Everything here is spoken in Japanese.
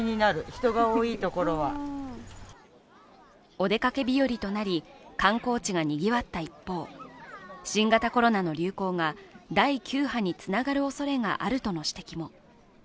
お出かけ日和となり、観光地がにぎわった一方、新型コロナの流行が第９波につながるおそれがあるとの指摘も。